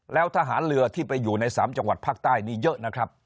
แล้วทหารเรือที่ไปอยู่ใน๓จังหวัดภาคใต้นี้เยอะนะครับ